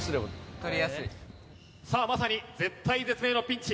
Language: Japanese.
さあまさに絶体絶命のピンチ。